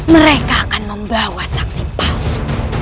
mereka akan membawa saksi palsu